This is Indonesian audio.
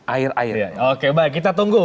air air oke baik kita tunggu